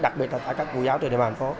đặc biệt là tại các quốc giáo trên địa mạng phố